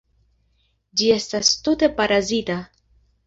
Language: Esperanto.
Ĝi estas tute parazita.